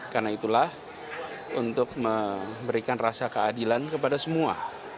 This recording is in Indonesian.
karena itulah untuk memberikan rasa keadilan kepada semua